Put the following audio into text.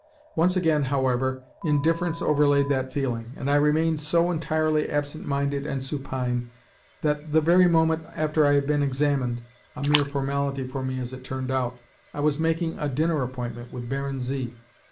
Once again, however, indifference overlaid that feeling, and I remained so entirely absent minded and supine that, the very moment after I had been examined (a mere formality for me, as it turned out) I was making a dinner appointment with Baron Z.